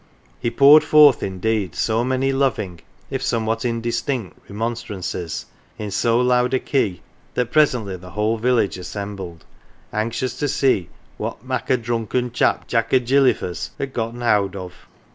He poured forth, indeed, so many loving, if somewhat indistinct, remonstrances in so loud a key that presently the whole village assembled, anxious to see " what mak' o' drunken chap Jack o' Gillyf'er's had gotten howd of